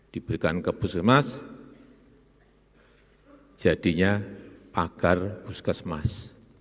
diberikan ke puskesmas jadinya agar puskesmas